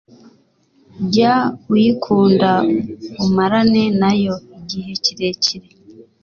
jya uyikunda umarane nayo igihe kirekire